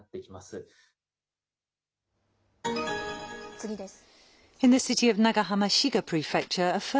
次です。